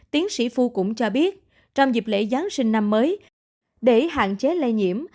tiến sĩ phu cũng cho biết trong dịp lễ giáng sinh năm mới để hạn chế lây nhiễm